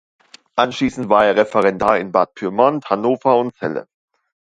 Anschließend war er Referendar in Bad Pyrmont, Hannover und Celle.